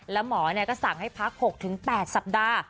แล้วหมอก็สั่งให้พัก๖๘สัปดาห์